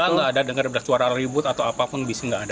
nggak ada dengar beras suara ribut atau apapun nggak ada